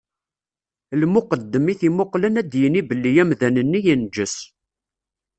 Lmuqeddem i t-imuqlen ad yini belli amdan-nni yenǧes.